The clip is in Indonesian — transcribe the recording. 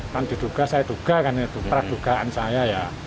kan diduga saya duga kan itu pradugaan saya ya